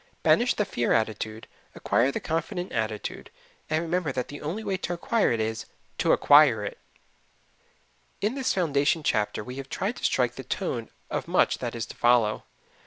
Banish the fear attitude; acquire the confident attitude. And remember that the only way to acquire it is to acquire it. In this foundation chapter we have tried to strike the tone of much that is to follow.